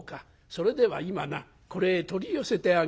それでは今なこれへ取り寄せてあげよう」。